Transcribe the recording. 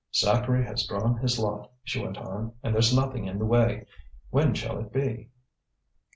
"Zacharie has drawn his lot," she went on, "and there's nothing in the way. When shall it be?"